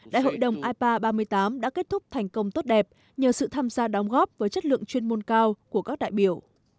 đại hội đồng ipa ba mươi tám đã kết thúc thành công tốt đẹp nhờ sự tham gia đóng góp với chất lượng chuyên môn cao của các đại biểu